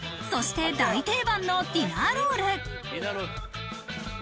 そして大定番のディナーロール。